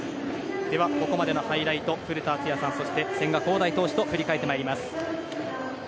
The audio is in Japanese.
ここまでのハイライト古田敦也さん、千賀滉大投手と振り返ってまいります。